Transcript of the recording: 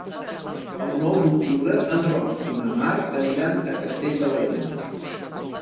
El nou d'octubre en Roc i na Mar aniran a Castell de l'Areny.